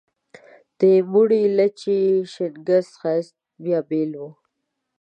د موڼي، لچي، شینګس ښایست بیا بل و